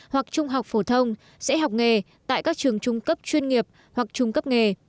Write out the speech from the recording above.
hoặc trung học phổ thông sẽ học nghề tại các trường trung cấp chuyên nghiệp hoặc trung cấp nghề